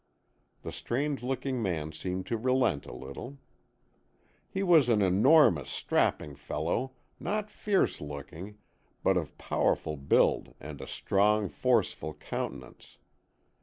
The strange looking man seemed to relent a little. He was an enormous, strapping fellow, not fierce looking but of powerful build and a strong, forceful countenance.